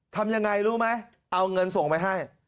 ทำยังไงรู้ไหมเอาเงินส่งไปให้